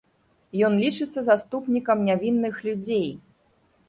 Ён лічыцца заступнікам нявінных людзей.